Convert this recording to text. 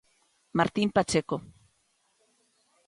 Martín Pacheco.